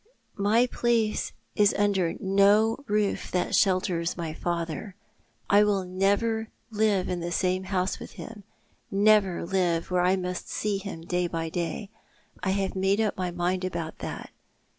" My place is under no roof that shelters my father. I will never live in the same house witli him — never live where I must see him day by day. I have made up my mind about that.